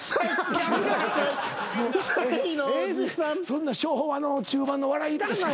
そんな昭和の中盤のお笑いいらん。